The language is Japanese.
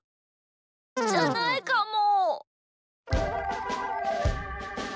じゃないかも。